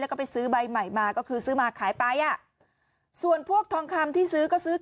โอ้ยโอ้ยโอ้ยโอ้ยโอ้ยโอ้ย